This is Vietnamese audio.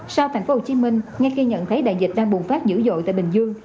sau thành phố hồ chí minh ngay khi nhận thấy đại dịch đang bùng phát dữ dội tại bình dương